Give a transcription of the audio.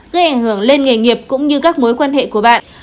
gây ảnh hưởng lên nghề nghiệp cũng như các mối quan hệ của bạn